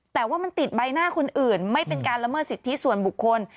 แต่ว่ามันติดใบหน้าคนอื่นไม่เป็นการละเมิดสิทธิส่วนบุคคล